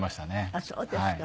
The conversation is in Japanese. あっそうですか。